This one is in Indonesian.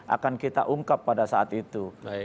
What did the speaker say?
akan kita ungkap pada saat itu